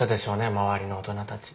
周りの大人たち。